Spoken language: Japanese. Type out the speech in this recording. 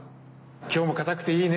今日もかたくていいね。